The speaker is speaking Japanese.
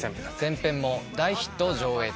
前編も大ヒット上映中。